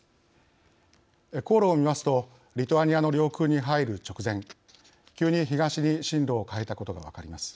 航路を見ますとリトアニアの領空に入る直前急に東に針路を変えたことが分かります。